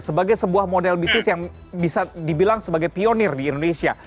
sebagai sebuah model bisnis yang bisa dibilang sebagai pionir di indonesia